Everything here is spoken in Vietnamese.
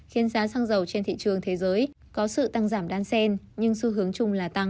khiến giá xăng dầu trên thị trường thế giới có sự tăng giảm đan sen nhưng xu hướng chung là tăng